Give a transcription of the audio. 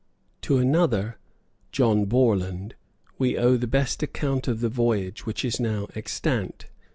To another, John Borland, we owe the best account of the voyage which is now extant.